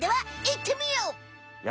やってみようか。